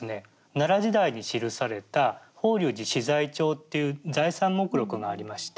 奈良時代に記された法隆寺資材帳っていう財産目録がありまして。